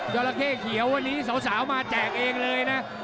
ระเข้เขียววันนี้สาวมาแจกเองเลยนะ